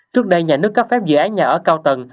trước đây nhà nước cấp phép dự án nhà ở cao tầng